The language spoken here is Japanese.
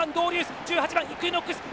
１８番イクイノックス！